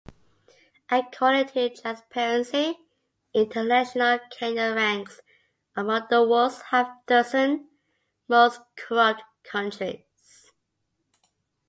According to Transparency International, Kenya ranks among the world's half-dozen most corrupt countries.